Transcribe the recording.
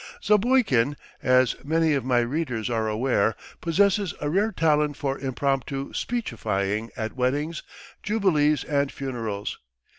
Zapoikin, as many of my readers are aware, possesses a rare talent for impromptu speechifying at weddings, jubilees, and funerals.